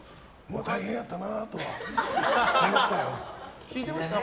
大変やったなとは思いましたよ。